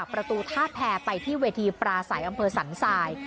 ประตูท่าแพรไปที่เวทีปราศัยอำเภอสันทราย